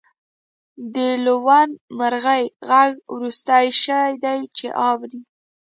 د لوون مرغۍ غږ وروستی شی دی چې اورئ